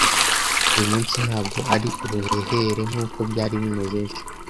Uyu munsi ntabwo ari ubuhehere nkuko byari bimeze ejo.